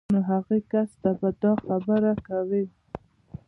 نو هغې کس ته به دا خبره کوئ